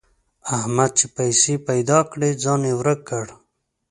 احمد چې پیسې پيدا کړې؛ ځان يې ورک کړ.